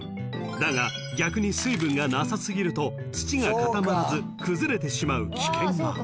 ［だが逆に水分がなさ過ぎると土が固まらず崩れてしまう危険が］